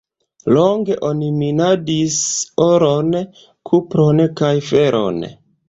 Longe oni minadis oron, kupron kaj feron.